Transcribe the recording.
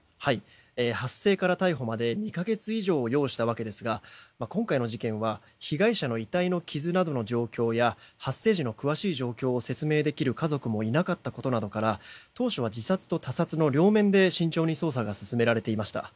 発生から逮捕まで２か月以上を要したわけですが今回の事件は被害者の遺体の傷などの状況や発生時の詳しい状況を説明できる家族もいなかったことなどから当初は自殺と他殺の両面で、慎重に捜査が進められていました。